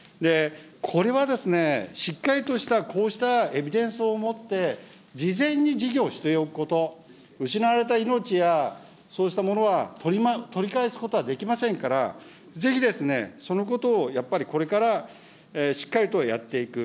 これは、しっかりとしたこうしたエビデンスを持って、事前に事業をしておくこと、失われた命や、そうしたものは取り返すことはできませんから、ぜひですね、そのことをやっぱりこれからしっかりとやっていく。